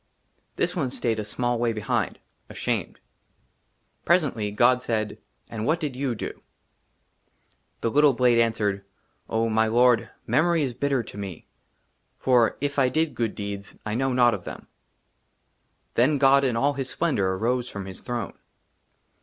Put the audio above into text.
THIS ONE STAYED A SMALL WAY BEHIND, ASHAMED. PRESENTLY, GOD SAID, " AND WHAT DID YOU DO ?" THE LITTLE BLADE ANSWERED, " OH, MY tORD, " MEMORY IS BITTER TO ME, ^" FOR, IF I DID GOOD DEEDS, " I KNOW NOT OF THEM.*' THEN GOD, IN ALL HIS SPLENDOR, AROSE FROM HIS THRONE.